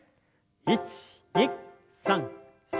１２３４。